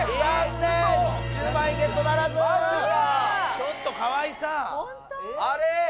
ちょっと河合さん。